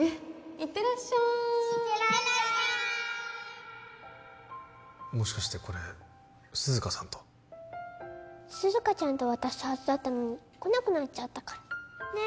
行ってらっしゃいもしかしてこれ涼香さんと涼香ちゃんと渡すはずだったのに来なくなっちゃったからねえ？